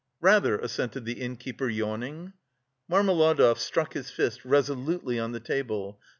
"Rather!" assented the innkeeper yawning. Marmeladov struck his fist resolutely on the table.